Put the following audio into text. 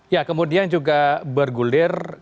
ya kemudian juga bergulir kalau kita simak pernyataan